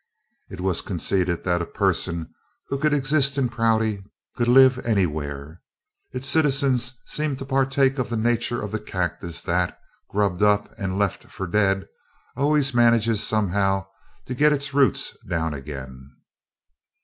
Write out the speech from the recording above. It was conceded that a person who could exist in Prouty could live anywhere. Its citizens seemed to partake of the nature of the cactus that, grubbed up and left for dead, always manages somehow to get its roots down again.